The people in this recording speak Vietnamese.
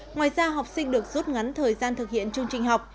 ngoài ra học sinh được rút ngắn thời gian thực hiện chương trình học